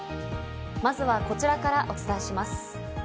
まずはこちらからお伝えします。